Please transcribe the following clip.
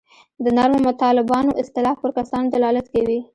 د نرمو طالبانو اصطلاح پر کسانو دلالت کوي.